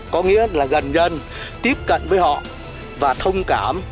có nghĩa là gần dân tiếp cận với họ và thông cảm